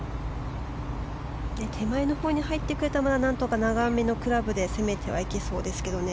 手前のほうに入ってくれれば何とか長めのクラブで攻めてはいけそうですけどね。